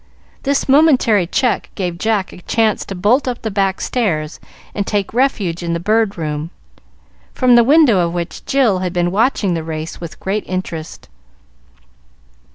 This momentary check gave Jack a chance to bolt up the back stairs and take refuge in the Bird Room, from the window of which Jill had been watching the race with great interest.